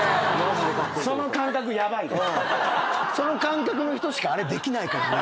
その感覚の人しかあれできないからね。